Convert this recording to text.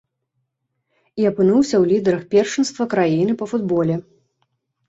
І апынуўся ў лідарах першынства краіны па футболе.